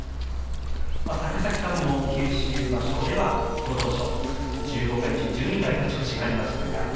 高崎さんも九州場所ではご当所１５回中、１２回勝ち越しがありました。